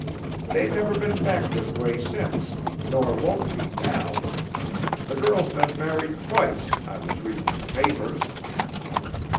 They've never been back this way since, nor won't be now. The girl's been married twice, I was readin' in the papers.